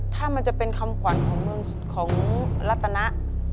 ถ้ามันจะเป็นคำขวัญของรัตนา